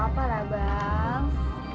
gak apa apa lah bang